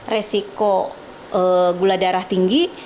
risiko gula darah tinggi